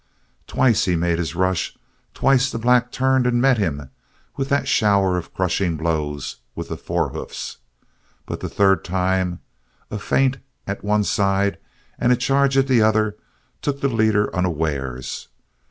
Twice he made his rush; twice the black turned and met him with that shower of crushing blows with the fore hoofs. But the third time a feint at one side and a charge at the other took the leader unawares.